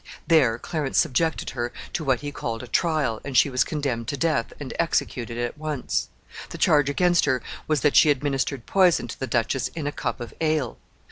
There Clarence subjected her to what he called a trial, and she was condemned to death, and executed at once. The charge against her was that she administered poison to the duchess in a cup of ale.